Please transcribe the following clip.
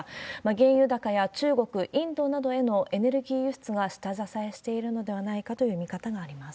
原油高や中国、インドなどへのエネルギー輸出が下支えしているのではないかという見方があります。